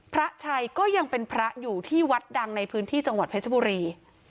พระชัยก็ยังเป็นพระอยู่ที่วัดดังในพื้นที่จังหวัดเพชรบุรี